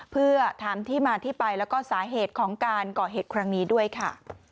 เพื่อถามที่มาที่ไปแล้วก็สาเหตุของการก่อเหตุครั้งนี้ด้วยค่ะ